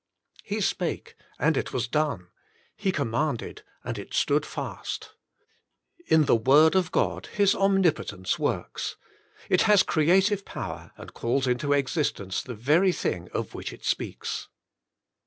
He spake and it was done; He commanded and it stood fast.'' In the word of God His omnipotence works: it has creative power and calls into exis tence THE Very Thing op Which It Speaks.